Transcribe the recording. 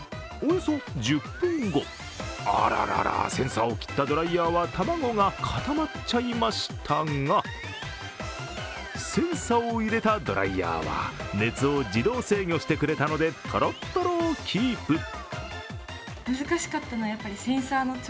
およそ１０分後あららら、センサーを切ったドライヤーは卵が固まっちゃいましたがセンサーを入れたドライヤーは熱を自動制御してくれたのでとろとろをキープ。